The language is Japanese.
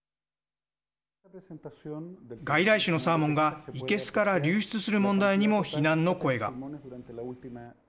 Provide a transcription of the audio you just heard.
外来種のサーモンが生けすから流出する問題にも非難の声が。